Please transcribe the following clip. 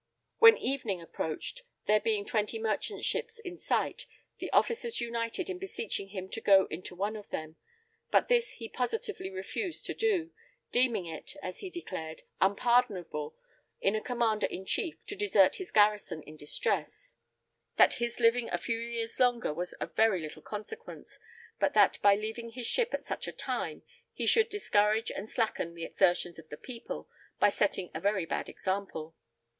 When evening approached, there being twenty merchant ships in sight, the officers united in beseeching him to go into one of them, but this he positively refused to do, deeming it, as he declared, unpardonable in a commander in chief to desert his garrison in distress; that his living a few years longer was of very little consequence, but that, by leaving his ship at such a time, he should discourage and slacken the exertions of the people, by setting a very bad example.